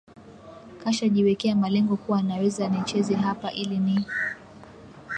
kasha jiwekea malengo kuwa naweza ni nicheze hapa ili ni